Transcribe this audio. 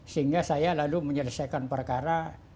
sehingga saya lalu menyelesaikan perkara